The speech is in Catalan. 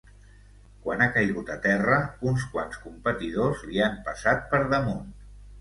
Quan ha caigut a terra uns quants competidors li han passat per damunt.